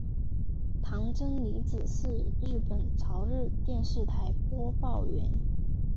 堂真理子是日本朝日电视台播报员。